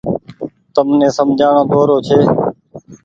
تم ني سمجهآڻو ۮورو ڇي۔